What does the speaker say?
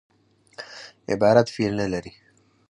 عبارت فعل نه لري.